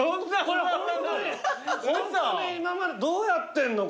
どうやってんの？